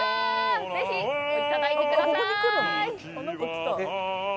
ぜひいただいてください！